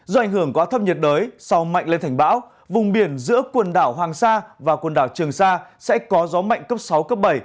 do ảnh hưởng của áp thấp nhiệt đới sau mạnh lên thành bão vùng biển giữa quần đảo hoàng sa và quần đảo trường sa sẽ có gió mạnh cấp sáu cấp bảy